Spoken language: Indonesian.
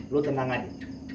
lu tenang aja